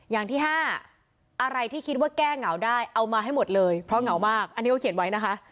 อย่างที่ห้าอะไรที่คิดว่าแก้เหงาได้เอามาให้หมดเลยเพราะเหงามากอันนี้เขาเขียนไว้นะคะ